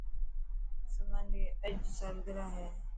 سمن ري اڄ سالگرا هي.